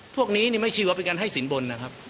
พวกนี้เนี่ยไม่ชิวเอาไปกันให้สินบนนะครับ